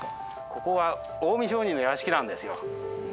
ここは近江商人の屋敷なんですよ。